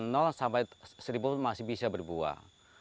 dari depan sampai seribu masih bisa berbuah